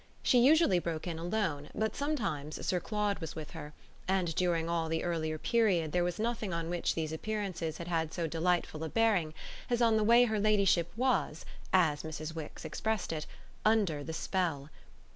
She usually broke in alone, but sometimes Sir Claude was with her, and during all the earlier period there was nothing on which these appearances had had so delightful a bearing as on the way her ladyship was, as Mrs. Wix expressed it, under the spell.